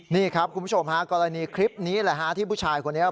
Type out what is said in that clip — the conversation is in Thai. นี่ครับคุณผู้ชมฮะกรณีคลิปนี้แหละฮะที่ผู้ชายคนนี้